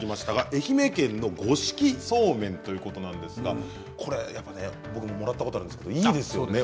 愛媛県の五色そうめんということなんですが僕ももらったことがあるんですけれどもいいですよね